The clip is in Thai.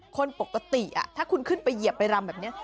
คนปกติถ้าคุณขึ้นไปเหยียบไปรำแบบนี้